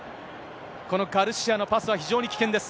このガルシアのパスは、非常に危険です。